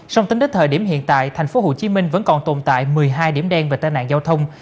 sông tính đến thời điểm hiện tại tp hcm vẫn còn tồn tại một mươi hai điểm đen về tai nạn giao thông